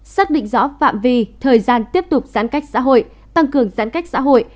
xác định rõ phạm vi thời gian tiếp tục giãn cách xã hội tăng cường giãn cách xã hội